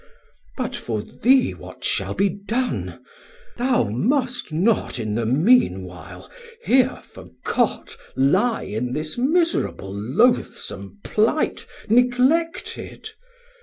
But for thee what shall be done? Thou must not in the mean while here forgot Lie in this miserable loathsom plight 480 Neglected.